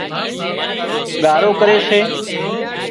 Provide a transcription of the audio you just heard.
ڳارو ڪري سي